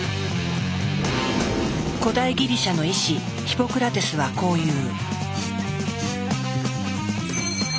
古代ギリシャの医師ヒポクラテスはこう言う。